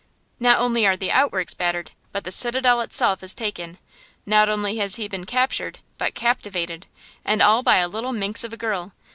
Not only are the outworks battered, but the citadel itself is taken! Not only has he been captured, but captivated! And all by a little minx of a girl!